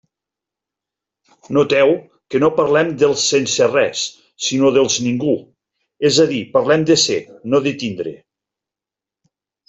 Noteu que no parlem dels «sense res», sinó dels «ningú», és a dir, parlem de ser, no de tindre.